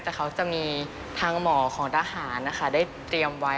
แต่เขาจะมีทางหมอของทหารนะคะได้เตรียมไว้